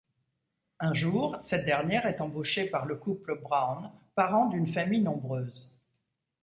Un jour, cette dernière est embauchée par le couple Brown, parents d'une famille nombreuse.